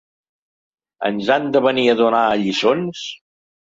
Ens han de venir a donar a lliçons?.